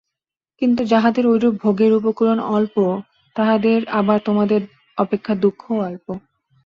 কিন্তু যাহাদের ঐরূপ ভোগের উপকরণ অল্প, তাহাদের আবার তোমাদের অপেক্ষা দুঃখও অল্প।